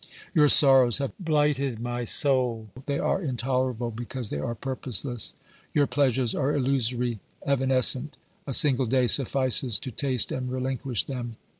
Your sorrows have blighted my soul ; they are intolerable because they are purposeless. Your pleasures are illusory, evan escent ; a single day suffices to taste and relinquish them.